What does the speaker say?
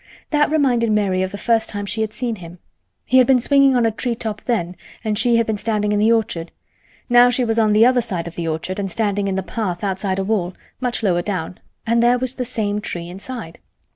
That reminded Mary of the first time she had seen him. He had been swinging on a tree top then and she had been standing in the orchard. Now she was on the other side of the orchard and standing in the path outside a wall—much lower down—and there was the same tree inside.